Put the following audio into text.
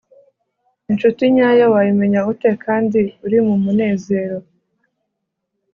Incuti nyayo wayimenya ute kandi uri mu munezero?